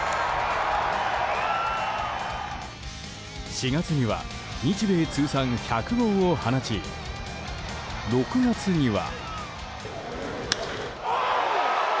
４月には日米通算１００号を放ち６月には。